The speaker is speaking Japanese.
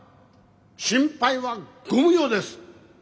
心配はご無用です。